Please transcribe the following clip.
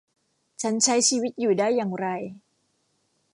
ฉันใช้ชีวิตอยู่ได้อย่างไร